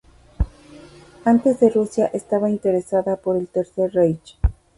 Antes de Rusia estaba interesada por el Tercer Reich.